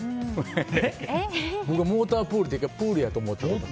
僕、モータープールってプールやと思ってたんです。